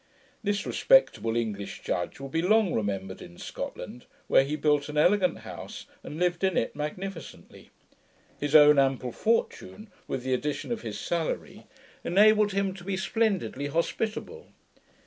This respectable English judge will be long remembered in Scotland, where he built an elegant house, and lived in it magnificently. His own ample fortune, with the addition of his salary, enabled him to be splendidly hospitable.